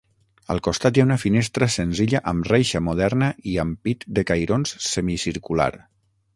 Al costat hi ha una finestra senzilla amb reixa moderna i ampit de cairons semicircular.